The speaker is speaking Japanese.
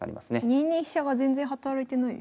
２二飛車が全然働いてないですね。